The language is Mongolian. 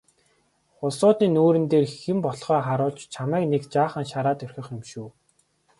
Улсуудын нүүр дээр хэн болохоо харуулж чамайг нэг жаахан шараад орхих юм шүү.